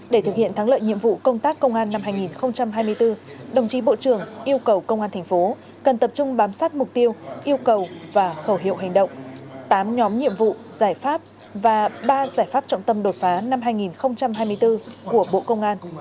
để thực hiện thắng lợi nhiệm vụ công tác công an năm hai nghìn hai mươi bốn đồng chí bộ trưởng yêu cầu công an thành phố cần tập trung bám sát mục tiêu yêu cầu và khẩu hiệu hành động tám nhóm nhiệm vụ giải pháp và ba giải pháp trọng tâm đột phá năm hai nghìn hai mươi bốn của bộ công an